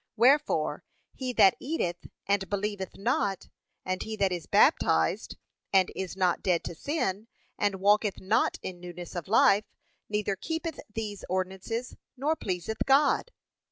Wherefore, he that eateth and believeth not, and he that is baptized, and is not dead to sin, and walketh not in newness of life, neither keepeth these ordinances nor pleaseth God.